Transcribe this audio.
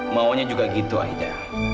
maunya juga gitu aida